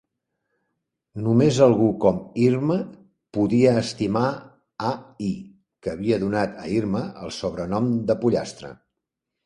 Només algú com Irma podia estimar Al, que havia donat a Irma el sobrenom de "Pollastre".